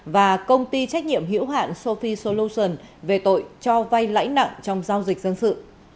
và công ty trách nhiệm hiểu hạn sophie solutions về tội cho vay lãnh nặng trong giao dịch dân sự